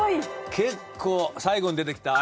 結構最後に出てきた彩奈さん